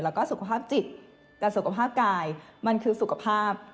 แล้วก็สุขภาพจิตแต่สุขภาพกายมันคือสุขภาพ